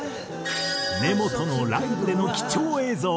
根本のライブでの貴重映像に。